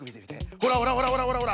ほらほらほらほらほらほら。